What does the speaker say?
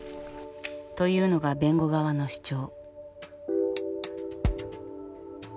というのが弁護側の主張。